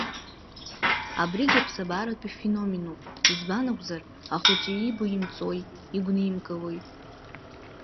Абригь иԥсабаратәу феноменуп, избан акәзар, ахәыҷы иибо имҵои, игәнимкылои!